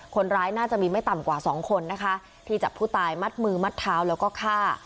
คนร้ายน่าจะมีไม่ต่ำกว่าสองคนนะคะที่จับผู้ตายมัดมือมัดเท้าแล้วก็ฆ่า